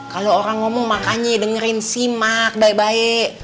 kalau orang ngomong makanya dengerin simak baik baik